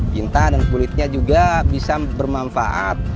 cinta dan kulitnya juga bisa bermanfaat